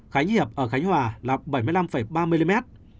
khánh hiệp ở khánh hòa là bảy mươi năm ba mm